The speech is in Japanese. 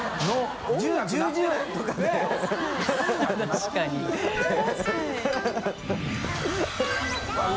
確かに